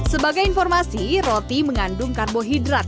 sebagai informasi roti mengandung karbohidrat